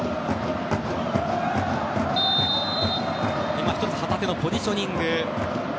今、１つ旗手のポジショニング。